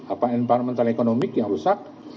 apa environmental economic yang rusak